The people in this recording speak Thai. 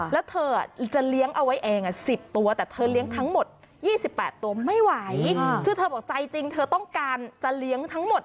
แล้วเธอจะเลี้ยงเอาไว้เอง๑๐ตัวแต่เธอเลี้ยงทั้งหมด๒๘ตัวไม่ไหวคือเธอบอกใจจริงเธอต้องการจะเลี้ยงทั้งหมด